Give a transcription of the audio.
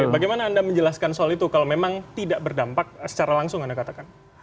bagaimana anda menjelaskan soal itu kalau memang tidak berdampak secara langsung anda katakan